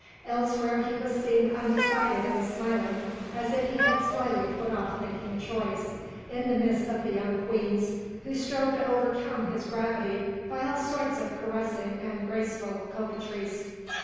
Elsewhere he was seen undecided and smiling, as if he had slyly put off making a choice, in the midst of the young queens, who strove to overcome his gravity by all sorts of caressing and graceful coquetries.